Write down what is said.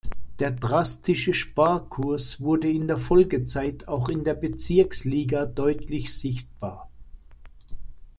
Der drastische Sparkurs wurde in der Folgezeit auch in der Bezirksliga deutlich sichtbar.